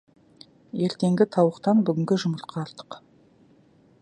Ертеңгі тауықтан бүгінгі жұмыртқа артық.